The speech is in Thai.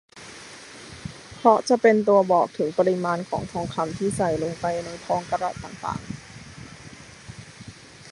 เพราะจะเป็นตัวบอกถึงปริมาณของทองคำที่ใส่ลงไปในทองกะรัตต่าง